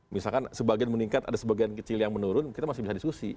misalkan sebagian meningkat ada sebagian kecil yang menurun kita masih bisa diskusi